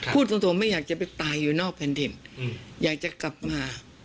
พูดตรงไม่อยากจะไปตายอยู่นอกแผ่นดินอยากจะกลับมา